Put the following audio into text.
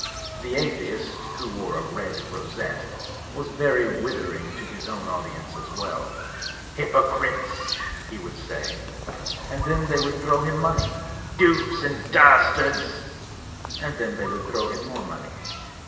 The atheist (who wore a red rosette) was very withering to his own audience as well. "H)rpocritesl" he would say; and then they would throw him money. "Dupes and das tards I" and then they would throw him more money.